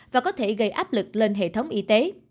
và có thể gây áp lực lên hệ thống y tế